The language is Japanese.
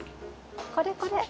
これこれ。